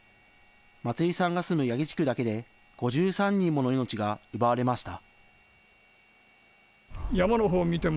松井さんが住む八木地区だけで、５３人もの命が奪われました。